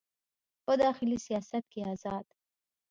په داخلي سیاست کې ازاد